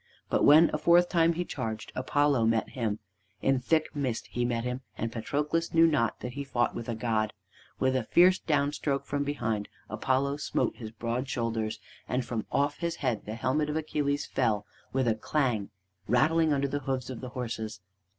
But when, a fourth time, he charged, Apollo met him. In thick mist he met him, and Patroclus knew not that he fought with a god. With a fierce down stroke from behind, Apollo smote his broad shoulders, and from off his head the helmet of Achilles fell with a clang, rattling under the hoofs of the horses.